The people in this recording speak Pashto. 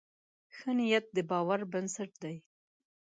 ښه نیت د باور بنسټ دی.